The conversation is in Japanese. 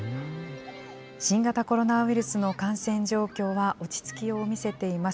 新型コロナウイルスの感染状況は落ち着きを見せています。